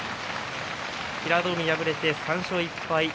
平戸海、敗れて３勝１敗。